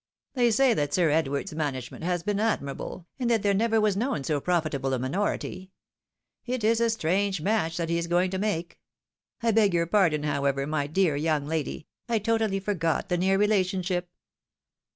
They say that Sir Edward's management has been admirable, and that there never was known so profitable a minority. It is a strange match that he is going to make. I beg your pardon, however, my dear young lady, I totally forgot the near relationship."